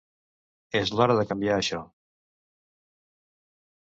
És l’hora de canviar això.